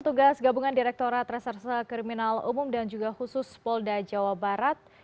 petugas gabungan direktorat reserse kriminal umum dan juga khusus polda jawa barat